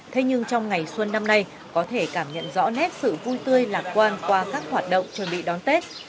thế nhưng trong ngày xuân năm nay có thể cảm nhận rõ nét sự vui tươi lạc quan qua các hoạt động chuẩn bị đón tết